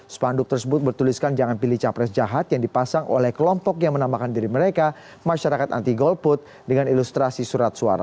spanduk tersebut bertuliskan jangan pilih capres jahat yang dipasang oleh kelompok yang menamakan diri mereka masyarakat anti golput dengan ilustrasi surat suara